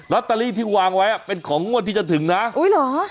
ตเตอรี่ที่วางไว้อ่ะเป็นของงวดที่จะถึงนะอุ้ยเหรอ